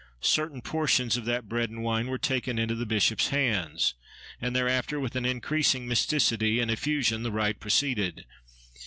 Certain portions of that bread and wine were taken into the bishop's hands; and thereafter, with an increasing mysticity and effusion the rite proceeded.